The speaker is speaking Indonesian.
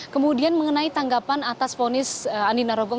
kemudian mengenai tanggapan atas ponis andina rogong